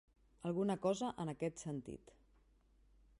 Alguna cosa en aquest sentit.